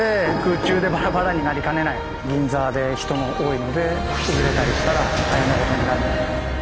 銀座で人も多いので崩れたりしたら大変なことになります。